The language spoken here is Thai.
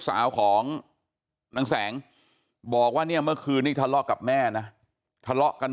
สาวของนางแสงบอกว่าเนี่ยเมื่อคืนนี้ทะเลาะกับแม่นะทะเลาะกัน